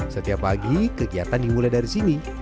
setiap pagi kegiatan dimulai dari sini